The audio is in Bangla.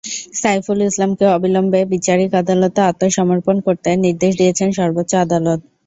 সাইফুল ইসলামকে অবিলম্বে বিচারিক আদালতে আত্মসমর্পণ করতে নির্দেশ দিয়েছেন সর্বোচ্চ আদালত।